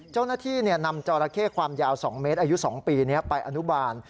เจ้าหน้าที่นำจอราเข้ความยาว๒เมตรอายุ๒ปีไปอนุบาล